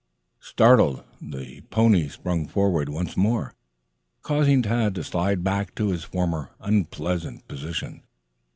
Startled, the pony sprang forward once more, causing Tad to slide back to his former unpleasant position.